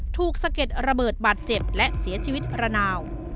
สะเก็ดระเบิดบาดเจ็บและเสียชีวิตระนาว